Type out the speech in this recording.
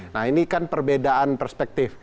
nah ini kan perbedaan perspektif